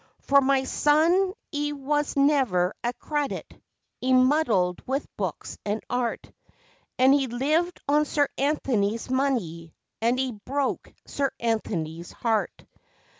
For my son 'e was never a credit: 'e muddled with books and art, And 'e lived on Sir Anthony's money and 'e broke Sir Anthony's heart.